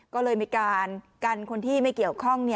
ก็เลยมีการกันคนที่ไม่เกี่ยวข้อง